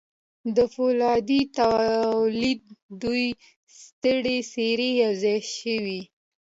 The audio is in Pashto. د پولادو د تولید دوې سترې څېرې یو ځای شوې